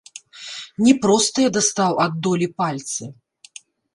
Не простыя дастаў ад долі пальцы.